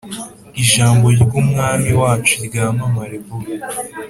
ijambo ry Umwami wacu ryamamare vuba